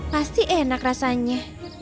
pasti enak rasanya